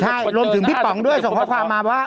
ใช่รวมถึงพี่ป๋องด้วยส่งข้อความมาว่า